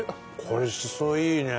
これしそいいね。